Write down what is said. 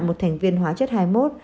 một thành viên hóa chất hai mươi một